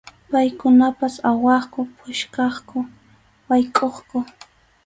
Paykunapas awaqku, puskaqku, waykʼuqku.